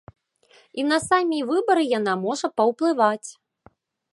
І на самі выбары яна можа паўплываць.